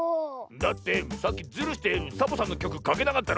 だってさっきズルしてサボさんのきょくかけなかったろ。